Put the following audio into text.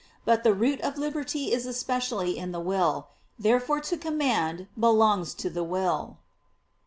But the root of liberty is especially in the will. Therefore to command belongs to the will.